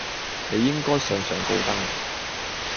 你應該上上高登